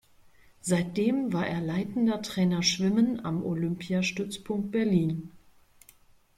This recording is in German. Seitdem war er "Leitender Trainer Schwimmen" am Olympiastützpunkt Berlin.